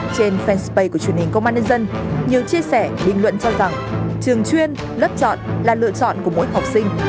trên fanpage của truyền hình công an nhân dân nhiều chia sẻ bình luận cho rằng trường chuyên lớp chọn là lựa chọn của mỗi học sinh